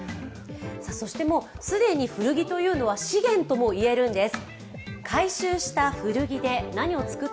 そしてもう既に古着というのは資源ともいえるんです。